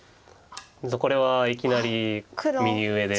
これはいきなり右上で。